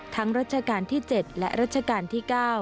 ทั้งรัชการที่๗และรัชการที่๙